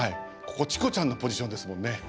ここチコちゃんのポジションですもんね。